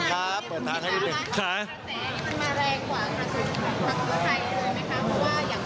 ขยับไว้นิดหนึ่งครับ